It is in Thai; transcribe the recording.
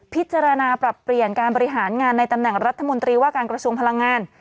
พิจารณาปรับเปลี่ยนการบริหารงานในตำแหน่งรัฐมนตรีว่าการกระทรวงพลังงาน